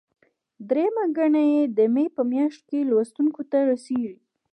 درېیمه ګڼه یې د مې په میاشت کې لوستونکو ته رسیږي.